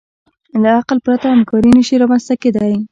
له عقل پرته همکاري نهشي رامنځ ته کېدی.